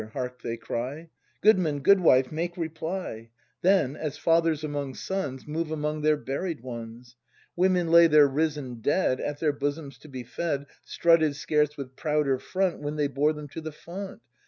hark, they cry; Goodman, Good wife, make reply; Then, as fathers among sons, Move among their buried ones; Women lay their risen dead At their bosoms to be fed, Strutted scarce with prouder front W^hen they bore them to the font.